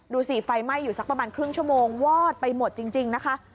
ดูสิไฟไหม้อยู่สักประมาณครึ่งชั่วโมงวอดไปหมดจริงนะคะ